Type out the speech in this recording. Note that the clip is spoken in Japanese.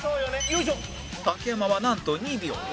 竹山はなんと２秒